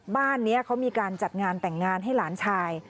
บ้านนี้เขามีการจัดงานแต่งงานให้หลานชาย